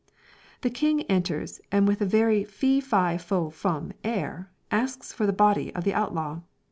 The king enters, and with a very "fee, fi, fo, fum" air, asks for the body of the outlaw.